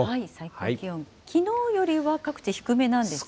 きのうよりは各地、低めなんですね。